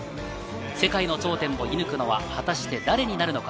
世界の頂点を射抜くのは果たして誰になるのか？